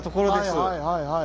はいはいはいはい。